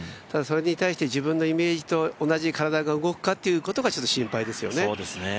ただ、それに対して自分のイメージと同じ体が動くかということがちょっと心配ですよね。